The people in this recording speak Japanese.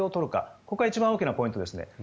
ここが一番大きなポイントです。